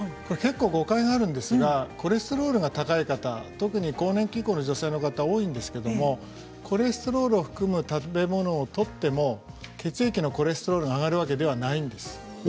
結構、誤解があるんですがコレステロールが高い方特に、更年期以降の女性の方多いんですけれどもコレステロールを含む食べ物をとっても血液のコレステロールが上がるわけではないんです。